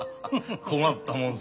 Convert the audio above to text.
困ったもんさ。